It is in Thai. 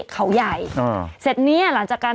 เขาใหญ่อ่าเสร็จเนี้ยหลังจากการ